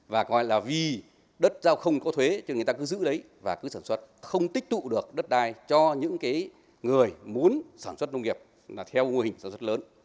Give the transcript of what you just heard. và gọi là vì đất giao không có thuế thì người ta cứ giữ đấy và cứ sản xuất không tích tụ được đất đai cho những người muốn sản xuất nông nghiệp là theo mô hình sản xuất lớn